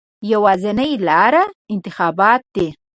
یوازینۍ لاره انتخابات دي.